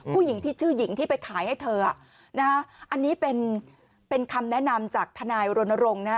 ผู้หญิงที่ชื่อหญิงที่ไปขายให้เธอนะฮะอันนี้เป็นคำแนะนำจากทนายรณรงค์นะฮะ